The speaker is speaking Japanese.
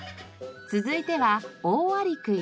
続いてはオオアリクイ。